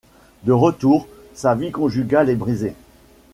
De retour, sa vie conjugale est brisée.